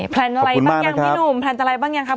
แลนอะไรบ้างยังพี่หนุ่มแพลนอะไรบ้างยังครับ